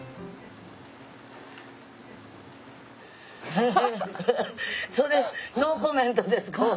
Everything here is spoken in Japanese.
フフフそれノーコメントです。